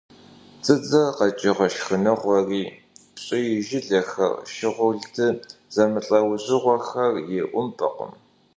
Дзыдзэр къэкӀыгъэ шхыныгъуэри - пщӀий жылэхэр, шыгъурлды зэмылӀэужьыгъуэхэр - и Ӏумпэмкъым.